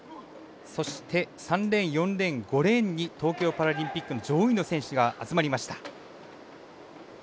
そして３レーン４レーン５レーンに東京パラリンピックの上位の選手が集まりました。